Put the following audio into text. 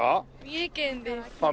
三重県です。